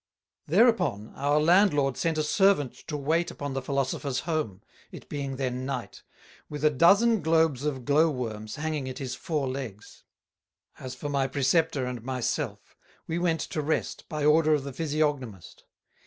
Thereupon our Landlord sent a Servant to wait upon the Philosophers home, it being then Night, with a dozen Globes of Glowworms hanging at his four Legs. As for my Preceptor and my self, we went to rest, by order of the Phisiognomist.